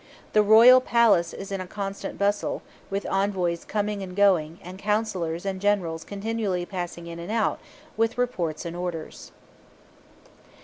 The royal palace is in a constant bustle, with envoys coming and going, and counsellors and generals continually passing in and out with reports and orders.